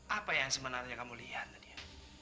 apa yang sebenarnya kamu lihat nadia